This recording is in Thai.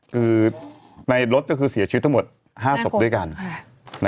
คือในรถก็คือเสียชีวิตทั้งหมด๕ศพด้วยกัน